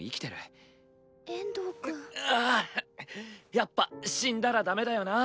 やっぱ死んだらダメだよな。